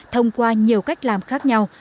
thông qua nhiều cách làm khác nhau